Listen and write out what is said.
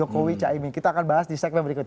kita akan bahas di segmen berikutnya